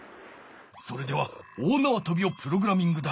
それでは大なわとびをプログラミングだ。